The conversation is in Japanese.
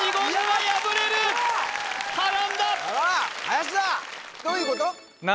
林田どういうこと？